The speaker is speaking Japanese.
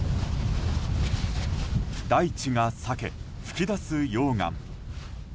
大地が裂け、噴き出す溶岩。